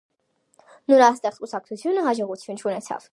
Նորաստեղծ կուսակցությունը հաջողություն չունեցավ։